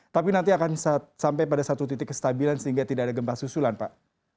tapi nanti akan sampai pada satu titik kestabilan sehingga tidak ada gempa susulan pak